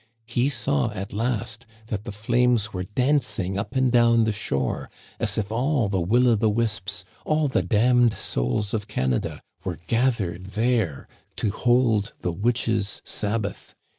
He saw at last that the flames were dancing up and down the shore, as if all the will o' the wisps, all the damned souls of Canada, were gathered there to hold the witches' sabbath.